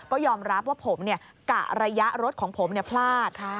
ก็ยอมรับว่าผมเนี่ยกะระยะรถของผมเนี่ยพลาดค่ะ